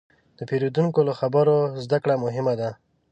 د پیرودونکي له خبرو زدهکړه مهمه ده.